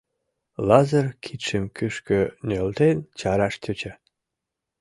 Лазыр кидшым кӱшкӧ нӧлтен чараш тӧча.